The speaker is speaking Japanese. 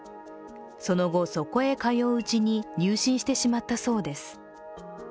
その後、そこへ通ううちに入信してしまったそうです。